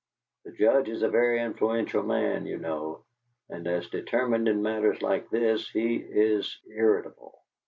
The Judge is a very influential man, you know, and as determined in matters like this as he is irritable."